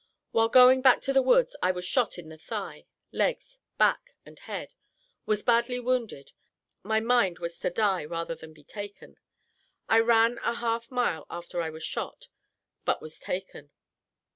While going back to the woods I was shot in the thigh, legs, back and head, was badly wounded, my mind was to die rather than be taken. I ran a half mile after I was shot, but was taken.